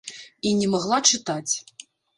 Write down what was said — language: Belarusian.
І не магла чытаць.